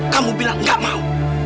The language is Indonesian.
kamu bilang gak mau